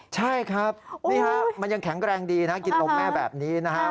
ใช่ครับนี่ฮะมันยังแข็งแรงดีนะกินนมแม่แบบนี้นะฮะ